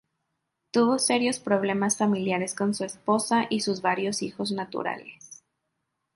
Tuvo serios problemas familiares con su esposa y sus varios hijos naturales.